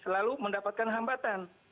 lalu mendapatkan hambatan